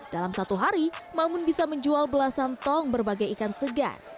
dalam satu hari mbak mun bisa menjual belasan tong berbagai ikan segar